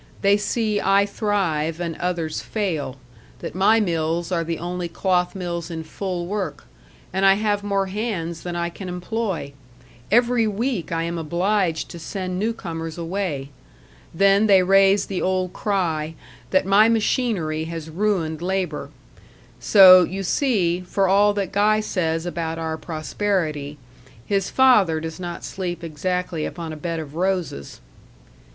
They see I thrive and others fail that my mills are the only cloth mills in full work, and I have more hands than I can employ. Every week I am obliged to send new comers away. Then they raise the old cry that my machinery has ruined labour. So, you see, for all that Guy says about our prosperity, his father does not sleep exactly upon a bed of roses."